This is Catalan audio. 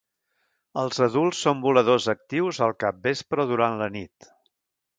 Els adults són voladors actius al capvespre o durant la nit.